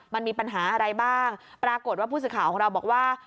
มันมีปัญหาอะไรบ้างปรากฏว่าผู้สื่อข่าวของเราบอกว่า